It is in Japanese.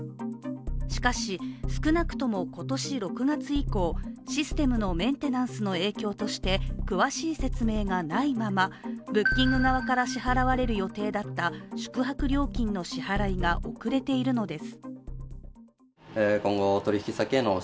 しかし、少なくとも今年６月以降、システムのメンテナンスの影響として詳しい説明がないままブッキング側から支払われる予定だった宿泊料金の支払いが遅れているのです。